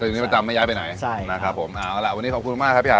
อย่างนี้ประจำไม่ย้ายไปไหนใช่นะครับผมเอาล่ะวันนี้ขอบคุณมากครับพี่อา